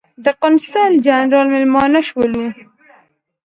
د قونسل جنرال مېلمانه شولو.